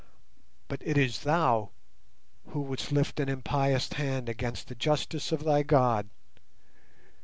But it is thou who wouldst lift an impious hand against the justice of thy God.